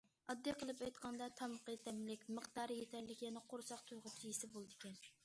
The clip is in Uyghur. ئاددىي قىلىپ ئېيتقاندا،« تامىقى تەملىك، مىقدارى يېتەرلىك، يەنە قورساق تويغۇچە يېسە بولىدىكەن».